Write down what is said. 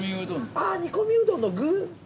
あぁ煮込みうどんの具。